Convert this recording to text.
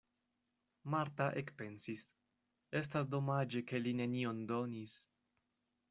Marta ekpensis: estas domaĝe, ke li nenion donis!